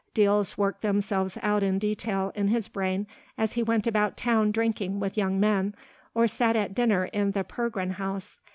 Deals worked themselves out in detail in his brain as he went about town drinking with young men, or sat at dinner in the Pergrin house.